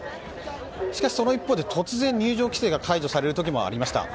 しかし、その一方で突然入場規制が解除される時もありました。